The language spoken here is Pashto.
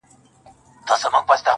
• هر ماښام به وو ستومان کورته راغلی -